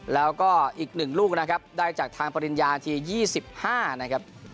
แล้วก็อีก๑ลูกนะครับได้จากทางปริญญาที๒๕นะครับ